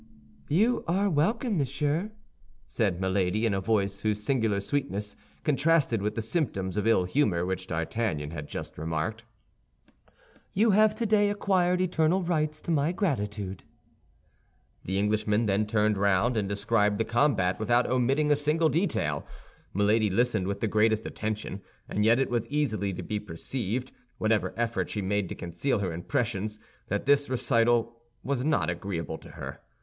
"You are welcome, monsieur," said Milady, in a voice whose singular sweetness contrasted with the symptoms of ill humor which D'Artagnan had just remarked; "you have today acquired eternal rights to my gratitude." The Englishman then turned round and described the combat without omitting a single detail. Milady listened with the greatest attention, and yet it was easily to be perceived, whatever effort she made to conceal her impressions, that this recital was not agreeable to her.